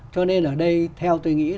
cho nên ở đây theo tôi nghĩ